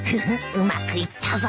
うまくいったぞ